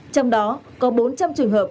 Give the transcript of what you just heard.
trong đó có bốn trăm linh trường hợp